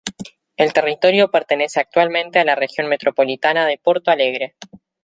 El territorio pertenece actualmente a la Región Metropolitana de Porto Alegre.